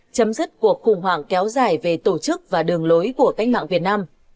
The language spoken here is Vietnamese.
chấm dứt cuộc khủng hoảng kéo dài về tổ chức và đường lối của cách mạng việt nam